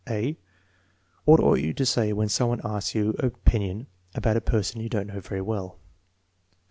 (a) "What ought you to say when some one asks your opinion about a person you don't know very well?"